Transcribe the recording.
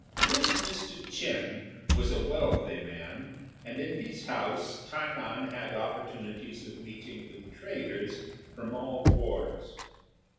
This Mr. Ch'ên was a wealthy man, and in his house Ta nan had opportunities of meeting with traders from all quarters.